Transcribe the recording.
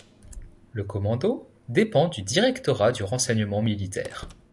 Le commando dépend du Directorat du renseignement militaire.